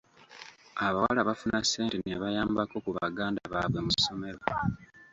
Abawala bafuna ssente ne bayambako ku baganda baabwe mu ssomero.